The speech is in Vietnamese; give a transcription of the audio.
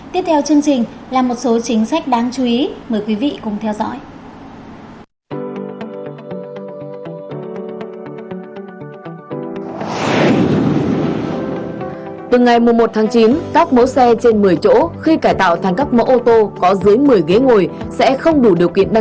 tiếp theo chương trình là một số chính sách đáng chú ý